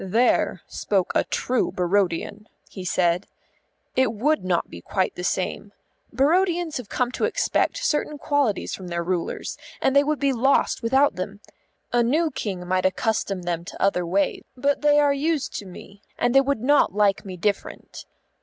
"There spoke a true Barodian," he said. "It would not be the same. Barodians have come to expect certain qualities from their rulers, and they would be lost without them. A new King might accustom them to other ways, but they are used to me, and they would not like me different.